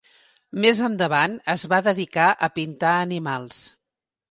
Més endavant es va dedicar a pintar animals.